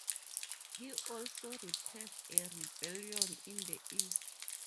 He also repressed a rebellion in the east.